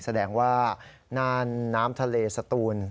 แสดงว่าน้ำทะเลสตูน